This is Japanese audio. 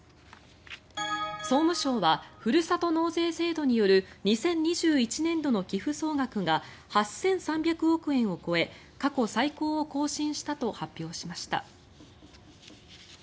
総務省はふるさと納税制度による２０２１年度の寄付総額が８３００億円を超え過去最高を更新したと発表しました。